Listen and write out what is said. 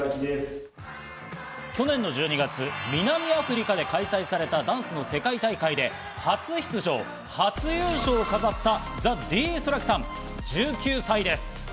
去年の１２月、南アフリカで開催されたダンスの世界大会で初出場・初優勝を飾った、ＴＨＥＤＳｏｒａＫｉさん、１９歳です。